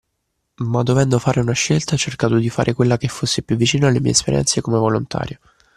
Ma dovendo fare una scelta, ho cercato di fare quella che fosse più vicina alle mie esperienze come volontario.